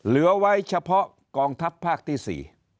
เหลือไว้เฉพาะกองทัพภาคที่๔